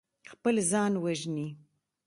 خپل ځان وژني.